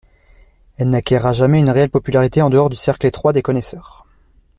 Elle n'acquerra jamais une réelle popularité en dehors du cercle étroit des connaisseurs.